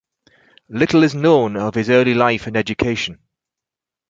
Little is known of his early life and education.